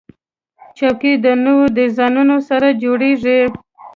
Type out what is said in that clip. چوکۍ د نوو ډیزاینونو سره جوړیږي.